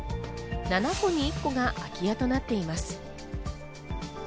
７戸に１戸が空き家となっています。